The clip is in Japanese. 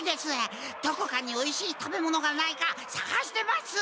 どこかにおいしい食べ物がないかさがしてます。